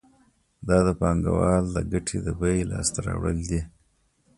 دا د پانګوال د ګټې د بیې لاس ته راوړل دي